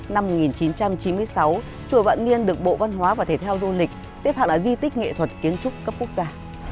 năm một nghìn chín trăm chín mươi sáu chùa vạn niên được bộ văn hóa và thể theo du lịch xếp hạng là di tích nghệ thuật kiến trúc cấp quốc gia